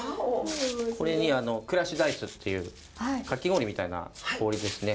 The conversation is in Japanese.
これにクラッシュアイスっていうかき氷みたいな氷ですね。